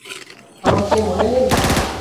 আমাকে মনে নেই?